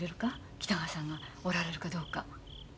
北川さんがおられるかどうか。え？